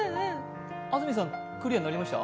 安住さん、クリアになりました？